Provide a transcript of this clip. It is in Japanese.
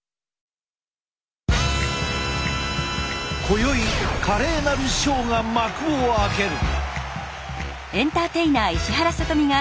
こよい華麗なるショーが幕を開ける。